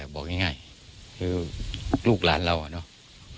บอกง่ายคือลูกหลานเราอะเนาะ